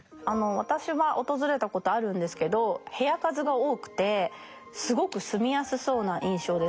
私は訪れたことあるんですけど部屋数が多くてすごく住みやすそうな印象です。